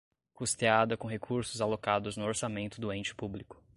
custeada com recursos alocados no orçamento do ente público